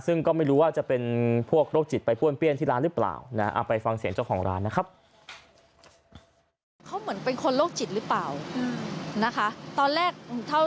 ซึ่งก็ไม่รู้ว่าจะเป็นพวกโรคจิตไปป้วนเปรี้ยนที่ร้านหรือเปล่า